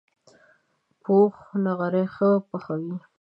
پوخ نغری ښه پخوي